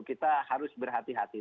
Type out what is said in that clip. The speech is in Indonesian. kita harus berhati hati